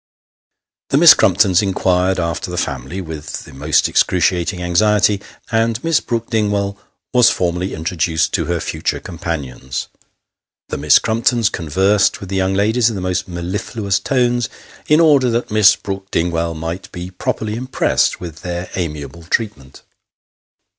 The Miss Crumptons inquired after the family, with the most excruciating anxiety, and Miss Brook Dingwall was formally intro duced to her future companions. The Miss Crumptons conversed with the young ladies in the most mellifluous tones, in order that Miss Brook Dingwall might be properly impressed with their amiable treatment.